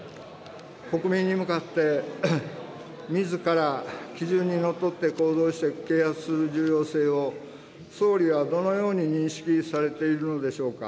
国民に向かって、みずから基準にのっとって行動し、啓発する重要性を、総理はどのように認識されているのでしょうか。